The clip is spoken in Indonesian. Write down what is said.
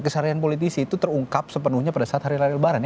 kesaharian politisi itu terungkap sepenuhnya pada saat hari lebaran